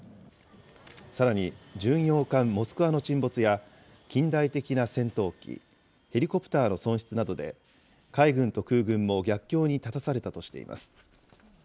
さらに巡洋艦モスクワの沈没や、近代的な戦闘機、ヘリコプターの損失などで、海軍と空軍も逆境に立たされたとしています。